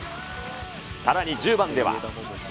さらに、１０番では。